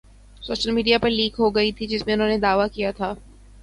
social media پر leak ہوگئی تھی جس میں انہوں نے دعویٰ کیا تھا